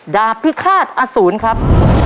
ดาบพิฆาตอสูรครับ